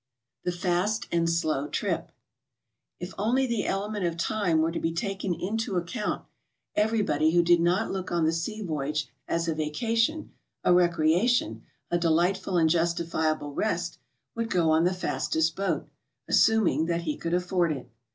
THE FAST AND THE SLOW TRIP. If only the element of time were to be taken into ac count, everybody who did not look on the sea voyage as a vacation, a recreation, a delightful and justifiable rest, would go on the fastest boat, — assuming that he could afford it.